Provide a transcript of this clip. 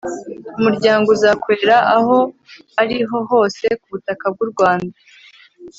umuryango uzakorera aho ari ho hose ku butaka bw' u rwanda